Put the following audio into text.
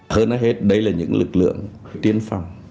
hơn hết đây là những lực lượng tiến phong